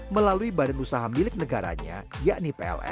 melalui badan usaha milik negaranya yakni pln